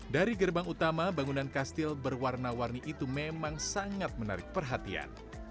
dari gerbang utama bangunan kastil berwarna warni itu memang sangat menarik perhatian